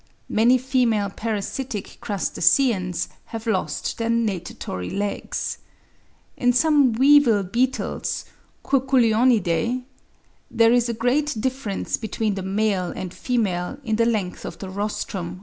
Many female parasitic crustaceans have lost their natatory legs. In some weevil beetles (Curculionidae) there is a great difference between the male and female in the length of the rostrum or snout (2.